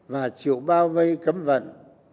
và chịu bao vây cấm vận